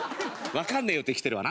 「わかんねえよ」って来てるわ。